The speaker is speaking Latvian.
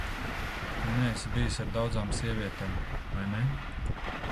Tu neesi bijis ar daudzām sievietēm, vai ne?